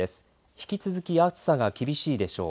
引き続き暑さが厳しいでしょう。